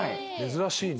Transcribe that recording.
珍しいね。